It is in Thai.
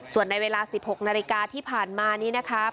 ส่วนในเวลา๑๖นาฬิกาที่ผ่านมานี้นะคะ